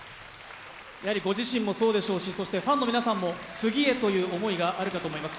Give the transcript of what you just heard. ご自身もそうでしょうし、ファンの皆さんも次へという思いがあると思います。